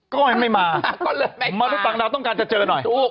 ก็ไม่มามนุษย์ต่างดาวต้องการจะเจอหน่อย